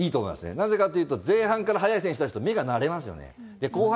なぜかというと、前半から速い選手出すと目が慣れますよね。